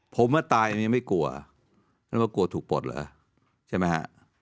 ผมเมื่อตายยังไม่กลัวต้องกลัวถูกปลดเหรอใช่ไหมฮะ